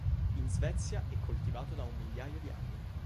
In Svezia è coltivato da un migliaio di anni.